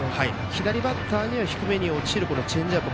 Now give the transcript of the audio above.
左バッターには低めに落ちるチェンジアップ。